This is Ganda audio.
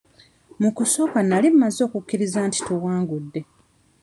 Mu kusooka nali mmaze okukkiriza nti tuwangudde.